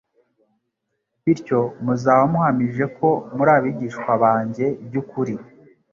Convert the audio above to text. Bityo, muzaba muhamije ko muri abigishwa banjye by'ukuri.